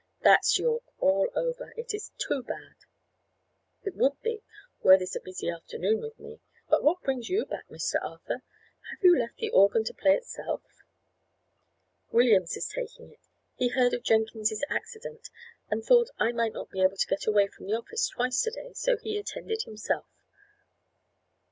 "That's Yorke all over! it is too bad." "It would be, were this a busy afternoon with me. But what brings you back, Mr. Arthur? Have you left the organ to play itself?" "Williams is taking it; he heard of Jenkins's accident, and thought I might not be able to get away from the office twice today, so he attended himself."